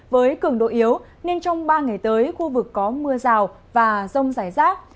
với cường độ yếu nên trong ba ngày tới khu vực có mưa rào và rông rải rác